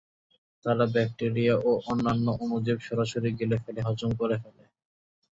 তারা ব্যাক্টেরিয়া ও অন্যান্য অণুজীব সরাসরি গিলে ফেলে হজম করে ফেলে।